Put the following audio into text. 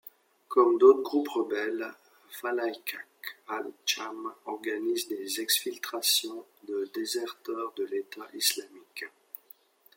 Comme d'autres groupes rebelles, Faylaq al-Cham organise des exfiltrations de déserteurs de l'État islamique.